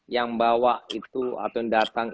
yang bawa itu atau yang datang